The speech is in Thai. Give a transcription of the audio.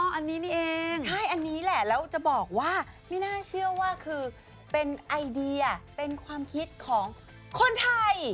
อันนี้นี่เองใช่อันนี้แหละแล้วจะบอกว่าไม่น่าเชื่อว่าคือเป็นไอเดียเป็นความคิดของคนไทย